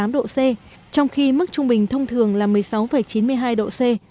một mươi tám độ c trong khi mức trung bình thông thường là một mươi sáu chín mươi hai độ c